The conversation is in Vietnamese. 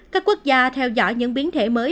các quốc gia theo dõi những biến thể mới